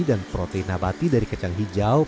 dan protein abati dari kacang hijau